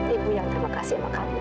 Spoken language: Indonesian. ibu yang terima kasih sama kami